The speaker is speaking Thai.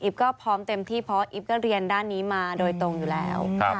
ก็พร้อมเต็มที่เพราะอีฟก็เรียนด้านนี้มาโดยตรงอยู่แล้ว